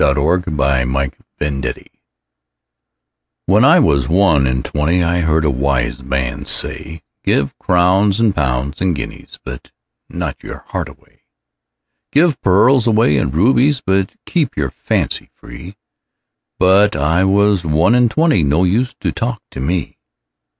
When I was one and twenty WHEN I was one and twentyI heard a wise man say,'Give crowns and pounds and guineasBut not your heart away; Give pearls away and rubiesBut keep your fancy free.'But I was one and twenty, No use to talk to me.